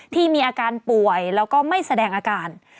ที่มีอาการป่วยแล้วก็ไม่แสดงอาการ